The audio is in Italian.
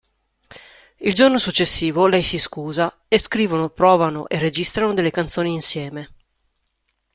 Il giorno successivo lei si scusa e scrivono, provano e registrano delle canzoni insieme.